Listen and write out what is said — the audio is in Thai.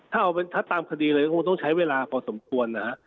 ถ้าตามคดีเลยก็คงต้องใช้เวลาพอสมควรนะฮะ